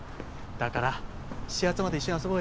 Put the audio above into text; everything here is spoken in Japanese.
だから始発まで一緒に遊ぼうよ。